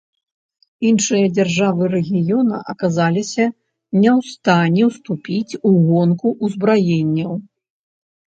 Іншыя дзяржавы рэгіёна аказаліся не ў стане ўступіць у гонку ўзбраенняў.